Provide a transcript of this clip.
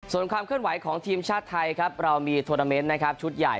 ส่วนความเคลื่อนไหวของทีมชาติไทยครับเรามีโทรนาเมนต์นะครับชุดใหญ่